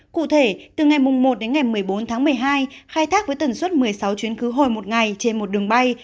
cụ thể từ ngày một đến ngày một mươi bốn tháng một mươi hai khai thác với tần suất một mươi sáu chuyến khứ hồi một ngày trên một đường bay